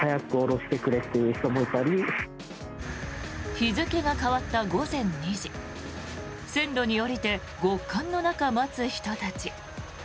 日付が変わった午前２時線路に下りて極寒の中、待つ人たち。